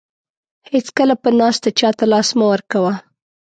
هیڅکله په ناسته چاته لاس مه ورکوه.